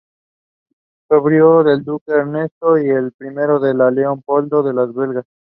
Sobrino del duque Ernesto I y del rey Leopoldo I de los Belgas.